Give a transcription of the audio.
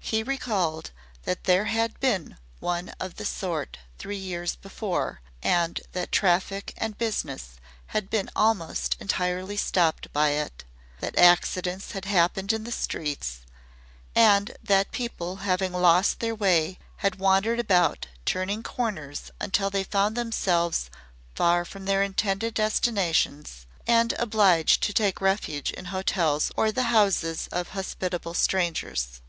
He recalled that there had been one of the sort three years before, and that traffic and business had been almost entirely stopped by it, that accidents had happened in the streets, and that people having lost their way had wandered about turning corners until they found themselves far from their intended destinations and obliged to take refuge in hotels or the houses of hospitable strangers.